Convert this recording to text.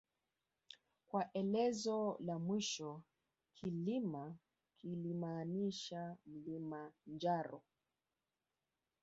Kwa elezo la mwisho Kilima kilimaanisha mlima njaro